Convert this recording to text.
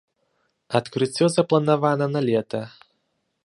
Адкрыццё запланавана на лета.